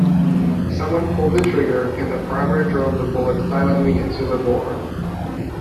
Someone pulled the trigger and the primer drove the bullet silently into the bore.